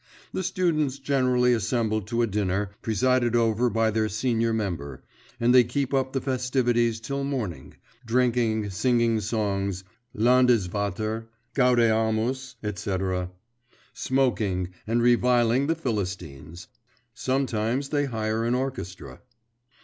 The students generally assemble to a dinner, presided over by their senior member, and they keep up the festivities till morning drinking, singing songs, 'Landesvater,' 'Gaudeamus,' etc., smoking, and reviling the Philistines. Sometimes they hire an orchestra.